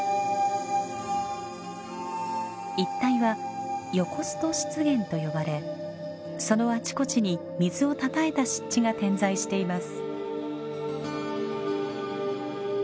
一帯は「ヨコスト湿原」と呼ばれそのあちこちに水をたたえた湿地が点在しています。